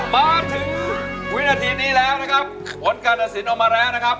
มาถึงวินาทีนี้แล้วนะครับผลการตัดสินออกมาแล้วนะครับ